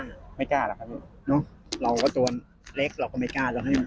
เราก็ตัวเล็กเราก็ไม่กล้า